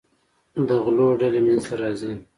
د غلو ډلې منځته راځي.